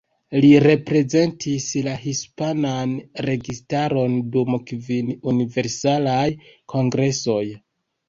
Li reprezentis la hispanan registaron dum kvin Universalaj Kongresoj.